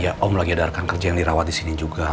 ya om lagi ada rekan kerja yang dirawat di sini juga